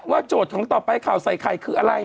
โจทย์ของต่อไปข่าวใส่ไข่คืออะไร